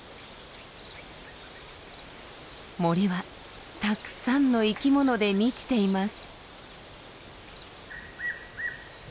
森はたくさんの生き物で満ちています。